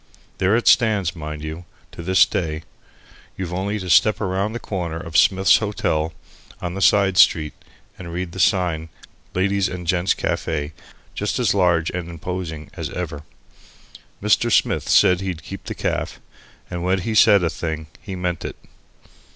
There it stands, mind you, to this day. You've only to step round the corner of Smith's Hotel on the side street and read the sign: LADIES' AND GENT'S CAFE, just as large and as imposing as ever. Mr. Smith said that he'd keep the caff, and when he saida thing he meant it!